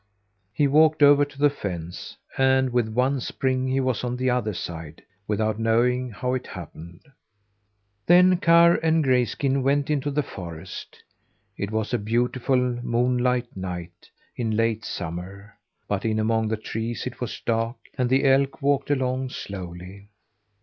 He walked over to the fence, and with one spring he was on the other side, without knowing how it happened. Then Karr and Grayskin went into the forest. It was a beautiful moonlight night in late summer; but in among the trees it was dark, and the elk walked along slowly.